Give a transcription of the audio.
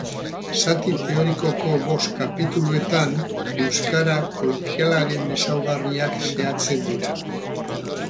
Zati teorikoko bost kapituluetan, euskara kolokialaren ezaugarriak xehatzen dira.